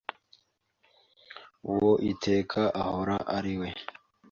Uwo iteka ahora ari we